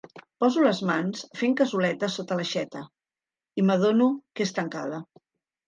Poso les mans fent cassoleta sota l'aixeta i m'adono que és tancada.